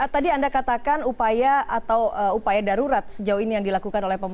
tadi anda katakan upaya atau upaya darurat sejauh ini yang dilakukan oleh pemerintah